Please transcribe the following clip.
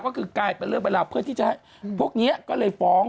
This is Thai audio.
ก็คือกลายเป็นเรื่องเป็นราวเพื่อที่จะให้พวกนี้ก็เลยฟ้อง